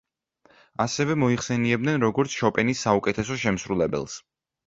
ასევე მოიხსენებდნენ როგორც შოპენის საუკეთესო შემსრულებელს.